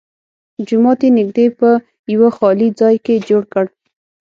جومات یې نږدې په یوه خالي ځای کې جوړ کړ.